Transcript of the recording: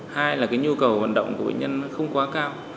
hai là cái nhu cầu hoạt động của bệnh nhân không quá cao